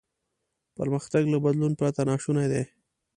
پرمختګ له بدلون پرته ناشونی دی.